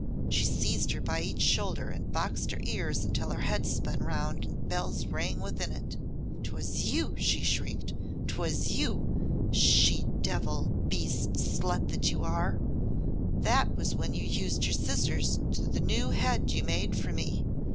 She seized her by each shoulder and boxed her ears until her head spun round and bells rang within it. "'Twas you!" she shrieked. "'Twas you she devil beast slut that you are! 'Twas when you used your scissors to the new head you made for me.